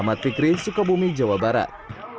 amat pikirnya sukabumi jawa barat